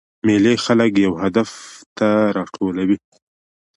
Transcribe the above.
مېلې خلک یو هدف ته راټولوي.